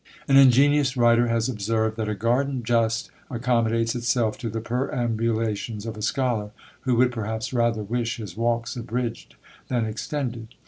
An ingenious writer has observed, that "a garden just accommodates itself to the perambulations of a scholar, who would perhaps rather wish his walks abridged than extended."